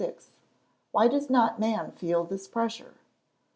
_Why does not man feel this pressure?